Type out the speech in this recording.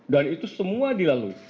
dan itu semua dilalui